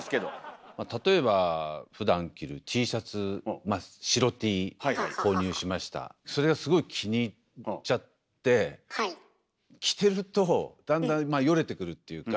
例えばふだん着るＴシャツそれがすごい気に入っちゃって着てるとだんだんよれてくるっていうか。